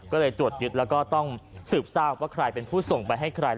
ก็เลยตรวจยึดแล้วก็ต้องสืบทราบว่าใครเป็นผู้ส่งไปให้ใคร